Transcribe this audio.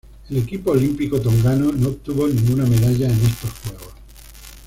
El equipo olímpico tongano no obtuvo ninguna medalla en estos Juegos.